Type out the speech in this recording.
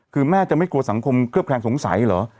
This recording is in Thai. คือแม่จะไม่กลัวสังคมเคลือบแคลงสงสัยเหรอ